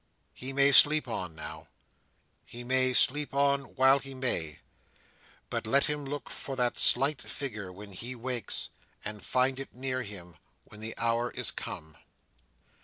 He may sleep on now. He may sleep on while he may. But let him look for that slight figure when he wakes, and find it near him when the hour is come!